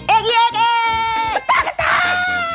เอกเอกเอก